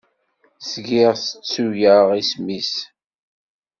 Zgiɣ tettuyeɣ isem-is.